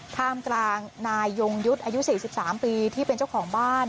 ท่ามกลางนายยงยุทธ์อายุ๔๓ปีที่เป็นเจ้าของบ้าน